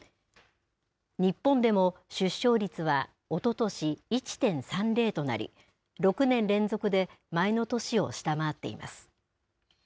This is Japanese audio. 日本でも出生率はおととし、１．３０となり、６年連続で前の年を下回っています。